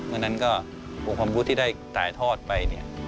เพราะฉะนั้นก็อุงความรู้ที่ได้กลายทอดไป